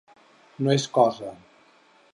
No és cosa.